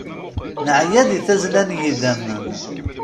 Neɛya di tazzla n yidammen.